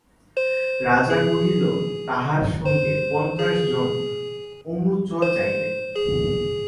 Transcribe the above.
রাজা কহিলেন, তাঁহার সঙ্গে পঞ্চাশ জন অনুচর যাইবে।